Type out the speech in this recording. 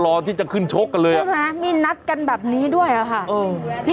หล่อที่จะขึ้นชกกันเลยใช่มั้ยมีนักกันแบบนี้ด้วยอ้าวคะ